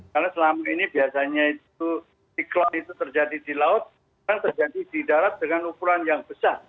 karena selama ini biasanya itu ciklon itu terjadi di laut kan terjadi di darat dengan ukuran yang besar